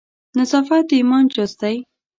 نظافت د ایمان جزء دی.